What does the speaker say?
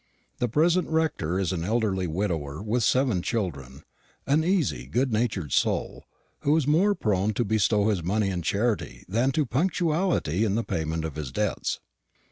The present rector is an elderly widower with seven children; an easy good natured soul, who is more prone to bestow his money in charity than to punctuality in the payment of his debts.